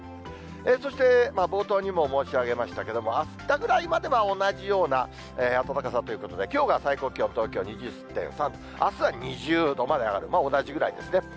そして冒頭にも申し上げましたけども、あしたぐらいまでは、同じような暖かさということで、きょうが最高気温、東京２０．３度、あすは２０度まで上がる、同じぐらいですね。